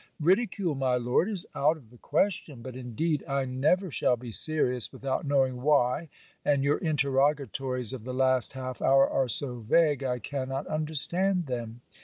'Ridicule, my Lord, is out of the question; but indeed I never shall be serious without knowing why, and your interrogatories of the last half hour are so vague, I cannot understand them.